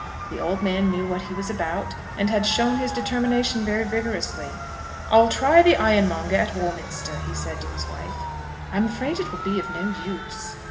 The old man knew what he was about, and had shown his determination very vigorously. "I'll try the ironmonger at Warminster," he said, to his wife. "I'm afraid it will be of no use."